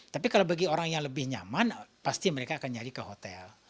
tapi kalau bagi orang yang lebih nyaman pasti mereka akan nyari ke hotel